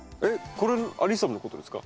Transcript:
これ「アリッサム」のことですか？